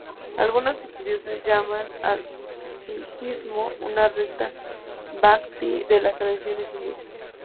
Algunos estudiosos llaman al sijismo una secta bhakti de las tradiciones indias.